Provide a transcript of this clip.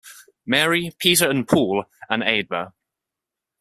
Mary, Peter and Paul, and Eadburh.